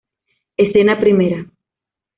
Escena Primera.